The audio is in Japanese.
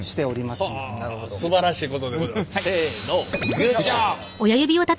すばらしいことでございます。